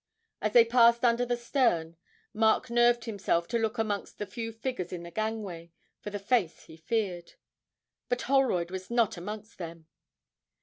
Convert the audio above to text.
As they passed under the stern Mark nerved himself to look amongst the few figures at the gangway for the face he feared but Holroyd was not amongst them.